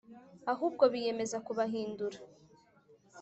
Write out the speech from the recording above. Ahubwo biyemeza kubahindura